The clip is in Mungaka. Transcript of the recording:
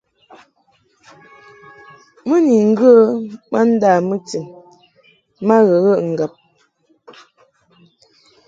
Mɨ ni ŋgə ma nda mɨtin ma ghəghəʼ ŋgab.